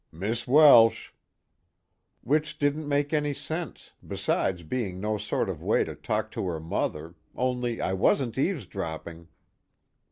"Miss Welsh " "Which didn't make any sense, besides being no sort of way to talk to her mother, only I wasn't eavesdropping."